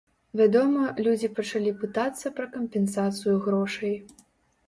Вядома, людзі пачалі пытацца пра кампенсацыю грошай.